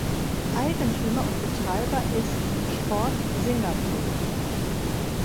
Eigentümer und Betreiber ist "Sport Singapore".